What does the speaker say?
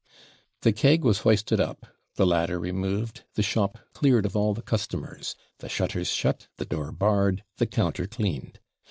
The keg was hoisted up; the ladder removed; the shop cleared of all the customers; the shutters shut; the door barred; the counter cleaned.